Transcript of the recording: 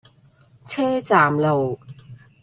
車站路